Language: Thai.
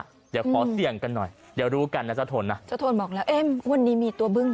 เดี๋ยวขอเสี่ยงกันหน่อยเดี๋ยวดูกันนะเจ้าโทนบอกละวันนี้มีตัวบึ้ง